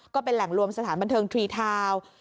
ก็เป็นแหล่งรวมสถานบันเทิงทรีทาวน์